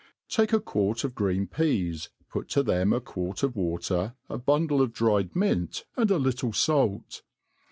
TAKE a quart of green peas, put to them a quart of water, a bundle of dried mint, and a little fait.